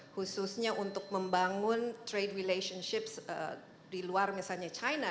khususnya untuk membangun trade relationships di luar misalnya china